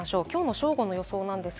正午の予想です。